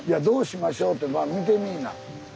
「どうしましょう」ってまあ見てみぃな。